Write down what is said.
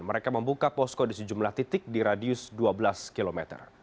mereka membuka posko di sejumlah titik di radius dua belas km